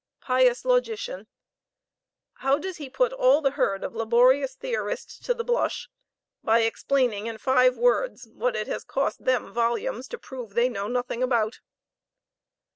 Pious logician! how does he put all the herd of laborious theorists to the blush, by explaining in five words what it has cost them volumes to prove they knew nothing about!